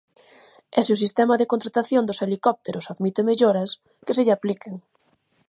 E se o sistema de contratación dos helicópteros admite melloras, que se lle apliquen.